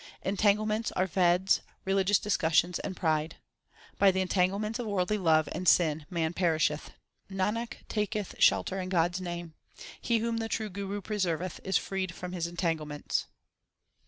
Entanglements are Veds, religious discussions, and pride. By the entanglements of worldly love and sin man perisheth Nanak taketh shelter in God s name He whom the true Guru preserveth is freed from his entanglements.